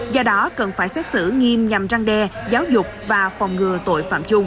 do đó cần phải xét xử nghiêm nhằm răng đe giáo dục và phòng ngừa tội phạm chung